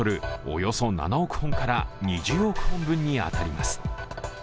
およそ７億本から２０億本分に当たります。